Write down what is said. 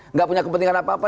nggak punya kepentingan apa apa